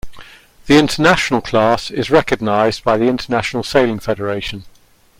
The International Class is recognised by the International Sailing Federation.